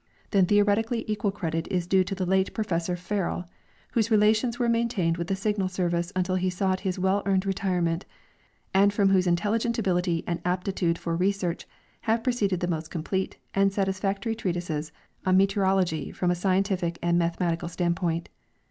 Then theoretically equal credit is due to the late Professor Ferrel, whose relations were maintained with the Signal service until he sought his well earned retirement, and from whose intelligent ability' and apti tude for research have proceeded the most complete and satisfac tory treatises on meteorology from a scientific and mathematical standpoint.